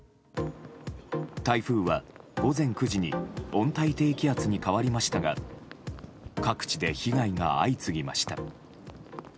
台風は、午前９時に温帯低気圧に変わりましたが各地で被害が相次ぎました。